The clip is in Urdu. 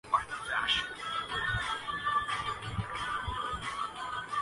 ذمرہ فوج چھ ستمبر کی جنگ میں شہید ہونے والوں